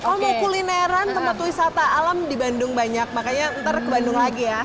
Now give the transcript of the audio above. oh mau kulineran tempat wisata alam di bandung banyak makanya ntar ke bandung lagi ya